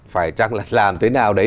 phải chắc là làm thế nào đấy